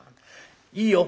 「いいよ。